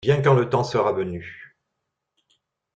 Viens quand le temps sera venu.